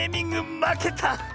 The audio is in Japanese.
まけた。